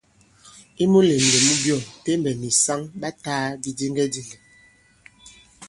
I mulèmlèm mu byɔ̂ŋ, Tembɛ̀ nì saŋ ɓa tāā bidiŋgɛdìŋgɛ̀.